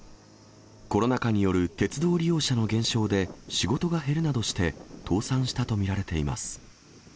コロナ禍による鉄道利用者の減少で仕事が減るなどして倒産したと見られています。